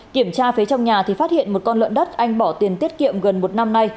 kiểm tra phía trong nhà thì phát hiện một con lợn đất anh bỏ tiền tiết kiệm gần một năm nay